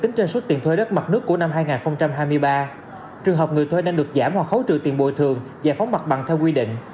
tính trên số tiền thuê đất mặt nước của năm hai nghìn hai mươi ba trường hợp người thuê đang được giảm hoặc khấu trừ tiền bồi thường giải phóng mặt bằng theo quy định